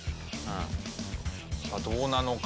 さあどうなのか？